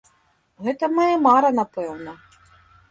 Гэта мая мара, напэўна.